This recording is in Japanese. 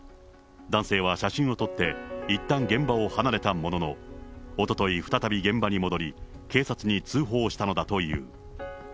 男性は写真を撮って、いったん現場を離れたものの、おととい、再び現場に戻り、警察に通報したのだという。